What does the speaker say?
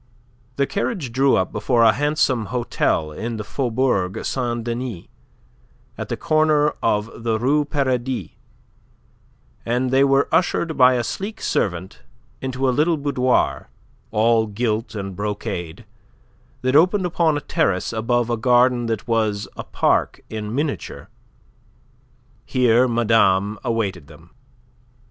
The carriage drew up before a handsome hotel in the Faubourg Saint Denis, at the corner of the Rue Paradis, and they were ushered by a sleek servant into a little boudoir, all gilt and brocade, that opened upon a terrace above a garden that was a park in miniature. Here madame awaited them.